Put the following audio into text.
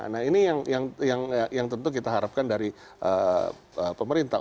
nah ini yang tentu kita harapkan dari pemerintah